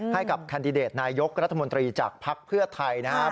แคนดิเดตนายกรัฐมนตรีจากภักดิ์เพื่อไทยนะครับ